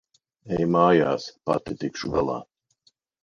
Ej mājās. Pati tikšu galā.